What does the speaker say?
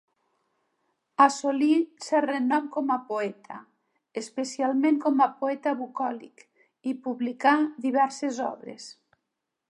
Assolí cert renom com a poeta, especialment com a poeta bucòlic, i publicà diverses obres.